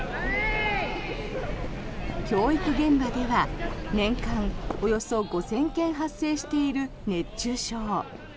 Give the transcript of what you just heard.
教育現場では年間およそ５０００件発生している熱中症。